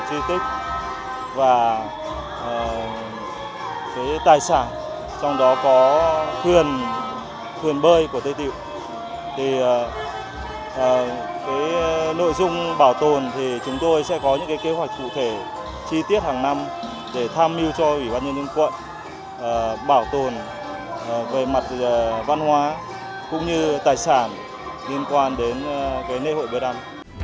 các khu vực truy tích và cái tài sản trong đó có thuyền bơi của tây tịu thì cái nội dung bảo tồn thì chúng tôi sẽ có những kế hoạch cụ thể chi tiết hàng năm để tham mưu cho ủy ban nhân dân quận bảo tồn về mặt văn hóa cũng như tài sản liên quan đến cái lễ hội bơi đam